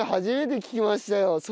初めて聞きましたよ。